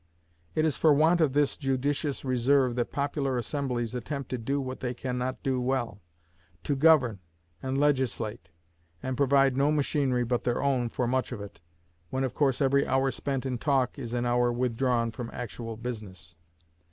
It is for want of this judicious reserve that popular assemblies attempt to do what they can not do well to govern and legislate and provide no machinery but their own for much of it, when of course every hour spent in talk is an hour withdrawn from actual business.